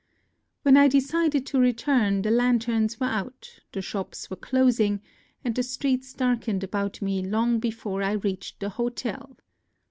58 NOTES OF A TRIP TO KYOTO When I decided to return, the lanterns were out, the shops were closing ; and the streets darkened about me long before I reached the hotel.